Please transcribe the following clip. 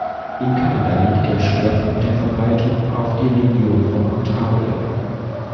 In Kanada liegt der Schwerpunkt der Verbreitung auf die Region von Ontario.